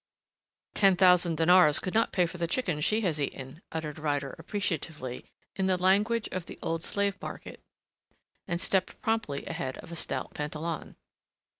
"Ten thousand dinars could not pay for the chicken she has eaten," uttered Ryder appreciatively in the language of the old slave market, and stepped promptly ahead of a stout Pantalon.